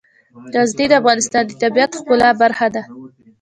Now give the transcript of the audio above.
غزني د افغانستان د طبیعت د ښکلا برخه ده.